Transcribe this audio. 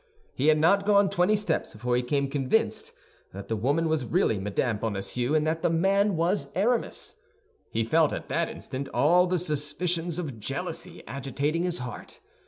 He had not gone twenty steps before he became convinced that the woman was really Mme. Bonacieux and that the man was Aramis. He felt at that instant all the suspicions of jealousy agitating his heart.